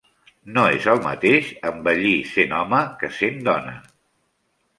No és el mateix envellir sent home que sent dona.